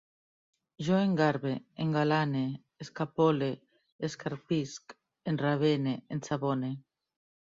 Jo engarbe, engalane, escapole, escarpisc, enravene, ensabone